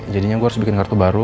jadinya gue harus bikin kartu baru